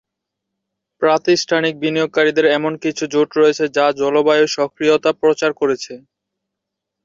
প্রাতিষ্ঠানিক বিনিয়োগকারীদের এমন কিছু জোট রয়েছে যা জলবায়ু সক্রিয়তা প্রচার করছে।